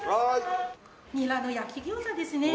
ニラの焼き餃子ですね